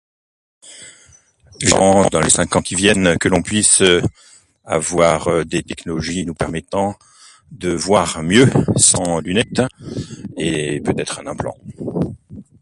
voir mieux sans lunettes